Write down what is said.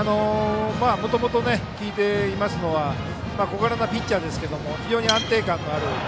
もともと聞いていますのは小柄なピッチャーですけども非常に安定感があると。